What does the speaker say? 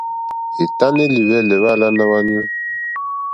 È tánɛ́ lìhwɛ́lɛ́ hwáàlánà hwáɲú.